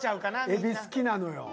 エビ好きなのよ。